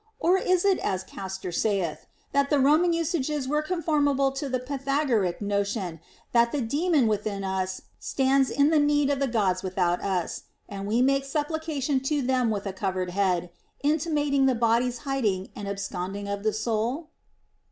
Or is it as Castor saith, that the Roman usages were conformable to the Pythagoric notion that the daemon within us stands in need of the Gods without us, and we make supplication to them with a covered head, intimating the body's hiding and absconding of the soul